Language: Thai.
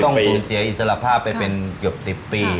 ต้องฝูนเสียอิสรภาพไปเป็นกว่า๑๐ปี